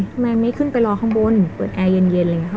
ทำไมไม่ขึ้นไปรอข้างบนเปิดแอร์เย็นอะไรอย่างนี้